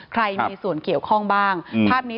ใครมีส่วนเกี่ยวข้องบ้างภาพนี้